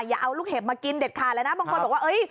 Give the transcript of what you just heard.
อย่าเอาลูกเห็บมากินเด็ดขาดเลยนะบางคนบอกว่า